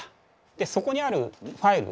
でそこにあるファイル